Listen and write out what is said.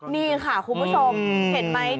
นี่ค่ะคุณผู้ชมเห็นไหม